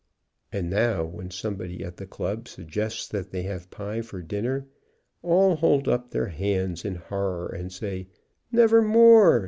And now, when somebody at the club suggests that they have a pie for dinner, all hold up their hands in horror, and say, "Nevermore!